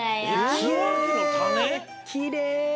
きれい！